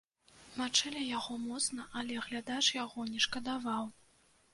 Мачылі яго моцна, але глядач яго не шкадаваў.